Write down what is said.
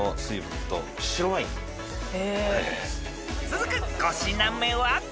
［続く５品目は？］